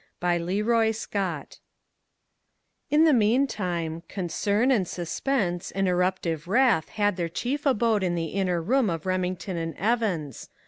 BY LEROY SCOTT In the meantime, concern and suspense and irruptive wrath had their chief abode in the inner room of Remington and Evans.